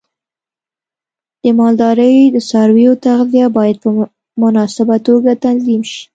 د مالدارۍ د څارویو تغذیه باید په مناسبه توګه تنظیم شي.